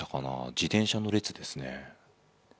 自転車の列ですね。